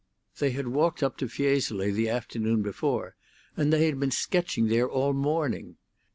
They had walked up to Fiesole the afternoon before, and they had been sketching there all the morning.